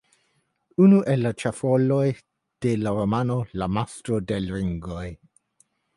Unu el la ĉefroluloj de la romano "La Mastro de l' Ringoj".